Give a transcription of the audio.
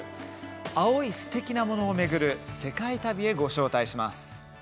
青いすてきなものを巡る世界旅へご招待します。